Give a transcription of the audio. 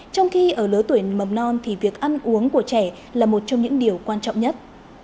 trong khi ở lứa tuổi mầm non thì việc ăn uống của trẻ là một trong những điều quan trọng nhất